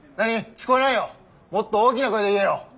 聞こえないよもっと大きな声で言えよ。